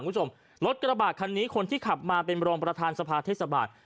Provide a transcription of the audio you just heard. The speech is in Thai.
รถกระบาดคันนี้คนที่ขับมาเป็นรองประธานสภาเทศบาล